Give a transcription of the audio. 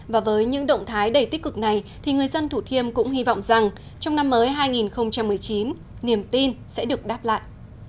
và với những động thái đầy tích cực này thì người dân thủ thiêm cũng hy vọng rằng trong năm mới hai nghìn một mươi chín niềm tin sẽ được đáp lại